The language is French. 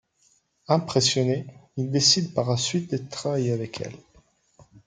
Impressionnés, ils décident par la suite de travailler avec elle.